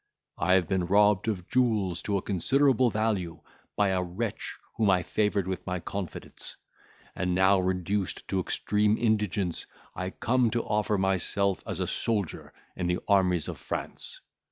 I have been robbed of jewels to a considerable value, by a wretch whom I favoured with my confidence; and now, reduced to extreme indigence, I come to offer myself as a soldier in the armies of France.